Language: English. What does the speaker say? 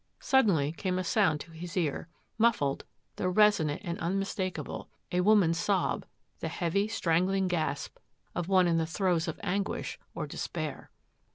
Suddenly came a sound to hi muffled, though resonant and unmistakabl woman's sob, the heavy, strangling gasp of < the throes of anguish or despair.